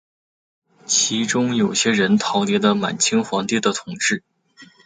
其中有些人逃离了满清皇帝的统治。